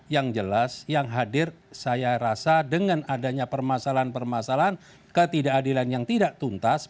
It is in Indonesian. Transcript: yang jelas yang hadir saya rasa dengan adanya permasalahan permasalahan ketidakadilan yang tidak tuntas